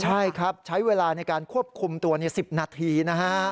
ใช่ครับใช้เวลาในการควบคุมตัว๑๐นาทีนะฮะ